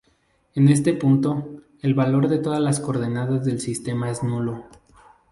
En este punto, el valor de todas las coordenadas del sistema es nulo.